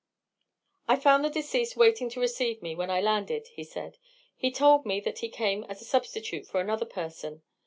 "I found the deceased waiting to receive me when I landed," he said. "He told me that he came as a substitute for another person.